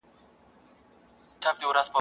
سیال مو نه دي د نړۍ واړه قومونه ..